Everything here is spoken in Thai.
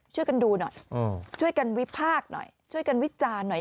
ช่วยกันดูหน่อยช่วยกันวิพากษ์หน่อยช่วยกันวิจารณ์หน่อย